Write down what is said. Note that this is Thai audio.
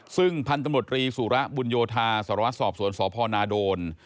ซึ่งพันธมตรีสุระบุญโยธาสารวัตรสอบสวนสพนาโดน